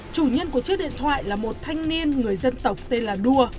chủ nhân của chiếc điện thoại là một thanh niên người dân tộc tên là đua